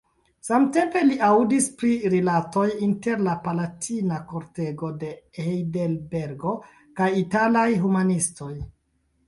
Samtempe li aŭdis pri rilatoj inter la palatina kortego de Hajdelbergo kaj italaj humanistoj.